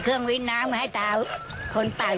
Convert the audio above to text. ครีมมาสอนเอ้ย